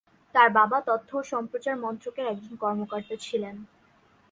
তাঁর বাবা তথ্য ও সম্প্রচার মন্ত্রকের একজন কর্মকর্তা ছিলেন।